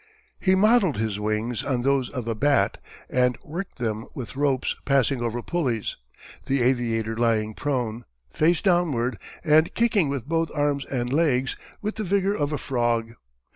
He modelled his wings on those of a bat and worked them with ropes passing over pulleys, the aviator lying prone, face downward, and kicking with both arms and legs with the vigour of a frog.